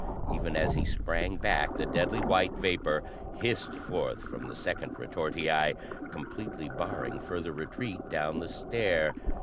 Even as he sprang back, the deadly white vapor hissed forth from the second retortii, completely barring further retreat down the stair.